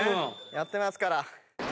やってますから。